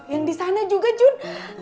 yang di sana juga jun